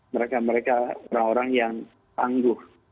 mereka mereka orang orang yang tangguh